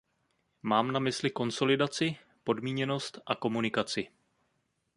Mám na mysli konsolidaci, podmíněnost a komunikaci.